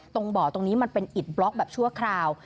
ตรงบ่อตรงนี้มันเป็นอิดบล็อกแบบชั่วคราว